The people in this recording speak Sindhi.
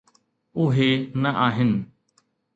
اهي نه آهن.